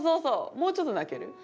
もうちょっと泣ける？